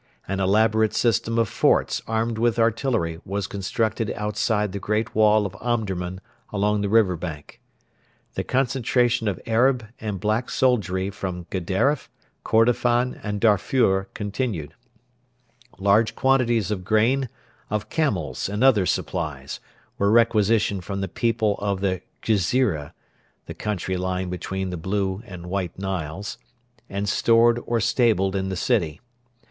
An elaborate system of forts armed with artillery was constructed outside the great wall of Omdurman along the river bank. The concentration of Arab and black soldiery from Gedaref, Kordofan, and Darfur continued. Large quantities of grain, of camels and other supplies, were requisitioned from the people of the Ghezira (the country lying between the Blue and White Niles) and stored or stabled in the city.